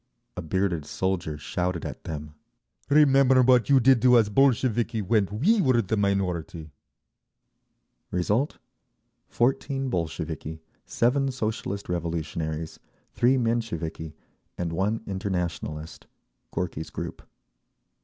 A bearded soldier shouted at them, "Remember what you did to us Bolsheviki when we were the minority!" Result—14 Bolsheviki, 7 Socialist Revolutionaries, 3 Mensheviki and 1 Internationalist (Gorky's group).